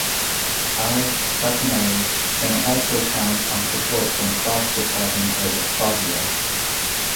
I Satanelli can also count on support from across the Province of Foggia.